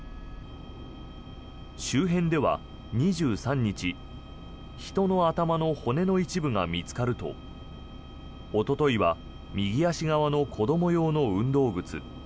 周辺では２３日人の頭の骨の一部が見つかるとおとといは右足側の子ども用の運動靴。